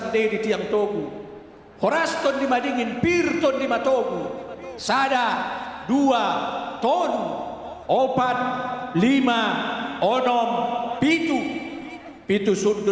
tentang prosesi ini saya ingin mengucapkan kepada anda